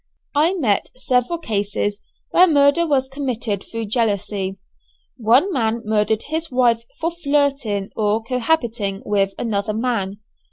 I met several cases where murder was committed through jealousy. One man murdered his wife for flirting or cohabiting with another man.